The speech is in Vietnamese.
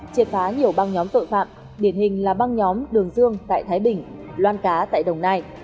triệt phá nhiều băng nhóm tội phạm điển hình là băng nhóm đường dương tại thái bình loan cá tại đồng nai